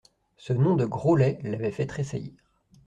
Ce nom de Grollet l'avait fait tressaillir.